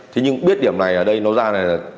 thế nhưng biết điểm này ở đây nó ra này là